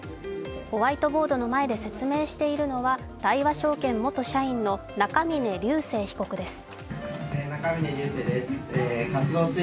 ホワイトボードの前で説明しているのは大和証券元社員の中峯竜晟被告です。